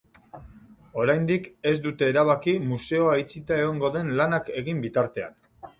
Oraindik ez dute erabaki museoa itxita egongo den lanak egin bitartean.